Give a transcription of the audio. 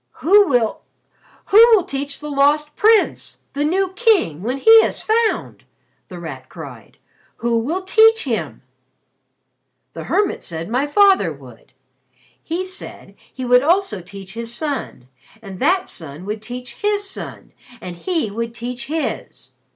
"Who will who will teach the Lost Prince the new King when he is found?" The Rat cried. "Who will teach him?" "The hermit said my father would. He said he would also teach his son and that son would teach his son and he would teach his.